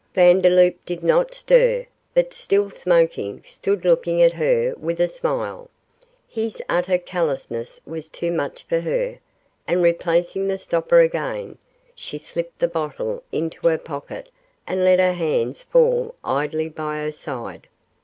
Vandeloup did not stir, but, still smoking, stood looking at her with a smile. His utter callousness was too much for her, and replacing the stopper again, she slipped the bottle into her pocket and let her hands fall idly by her side.